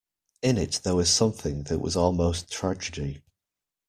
In it there was something that was almost tragedy.